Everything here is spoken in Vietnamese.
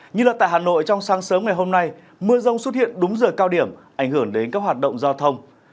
như là tại hà nội trong sáng sớm ngày hôm nay mưa rông xuất hiện đúng giờ cao điểm ảnh hưởng đến các hoạt động giao thông